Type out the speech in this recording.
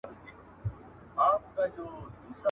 • نر مي بولې، چي کال ته تر سږ کال بې غيرته يم.